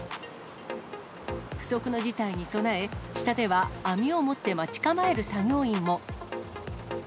不測の事態に備え、下では網を持って待ち構える作業員も。